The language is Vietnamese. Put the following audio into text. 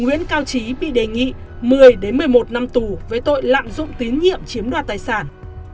nguyễn cao trí bị đề nghị một mươi một mươi một năm tù với tội lạm dụng tín nhiệm chiếm đoạt tài sản